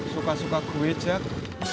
suka suka kuih jack